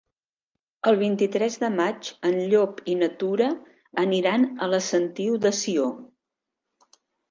El vint-i-tres de maig en Llop i na Tura aniran a la Sentiu de Sió.